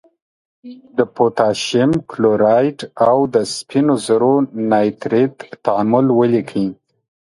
د پوتاشیم کلورایډ او د سپینو زور نایتریت تعامل ولیکئ.